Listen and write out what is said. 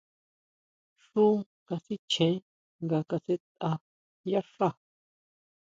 Xu kasichjen nga kasʼetʼa yá xá.